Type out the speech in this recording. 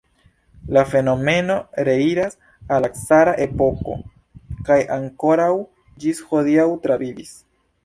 La fenomeno reiras al la cara epoko kaj ankoraŭ ĝis hodiaŭ travivis.